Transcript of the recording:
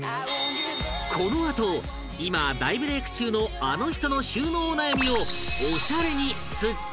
このあと今大ブレイク中のあの人の収納お悩みを